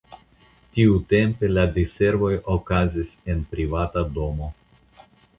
Tiutempe la diservoj okazis en privata domo.